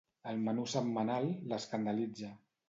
El menú setmanal l'escandalitza.